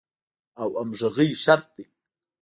او همغږۍ شرط دی.